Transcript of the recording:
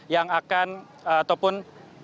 yang akan ataupun